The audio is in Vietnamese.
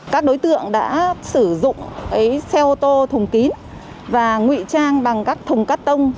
các đối tượng đã sử dụng xe ô tô thùng kín và ngụy trang bằng các thùng cắt tông